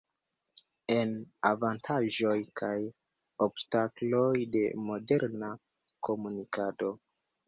En: Avantaĝoj kaj obstakloj de moderna komunikado.